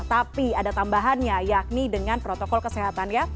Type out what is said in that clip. tapi ada tambahannya yakni dengan protokol kesehatan ya